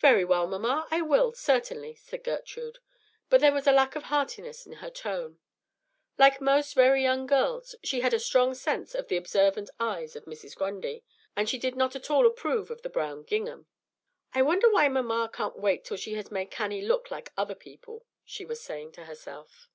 "Very well, mamma; I will, certainly," said Gertrude. But there was a lack of heartiness in her tone. Like most very young girls she had a strong sense of the observant eyes of Mrs. Grundy, and she did not at all approve of the brown gingham. "I wonder why mamma can't wait till she has made Cannie look like other people," she was saying to herself.